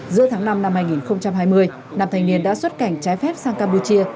giữa tháng năm năm hai nghìn hai mươi nam thanh niên đã xuất cảnh trái phép sang campuchia